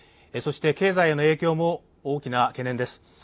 そして経済への影響も大きな懸念です。